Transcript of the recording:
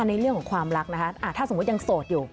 ในเรื่องของความรักนะคะถ้าสมมุติยังโสดอยู่